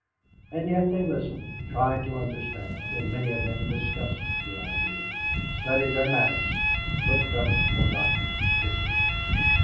And yet they listened, tried to understand, and many of them discussed the idea studied their maps looked up forgotten histories.